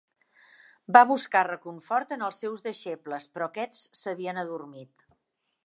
Va buscar reconfort en els seus deixebles, però aquests s'havien adormit.